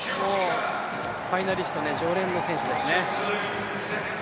ファイナリスト常連の選手ですね。